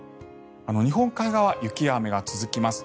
日本海側、雪や雨が続きます。